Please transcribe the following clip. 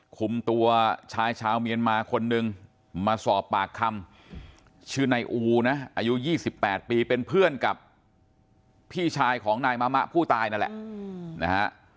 คุมตัวชายชาวเมียนมาคนนึงมาสอบปากคำชื่อนายอูนะอายุ๒๘ปีเป็นเพื่อนกับพี่ชายของนายมะมะผู้ตายนั่นแหละนะฮะ